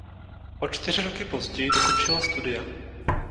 O čtyři roky později dokončila studia.